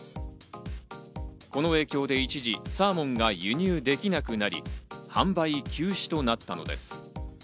この影響で一時、サーモンが輸入できなくなり、販売休止となったのです。